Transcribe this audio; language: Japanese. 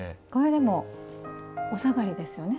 でもお下がりですよね